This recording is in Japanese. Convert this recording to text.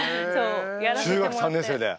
中学３年生で。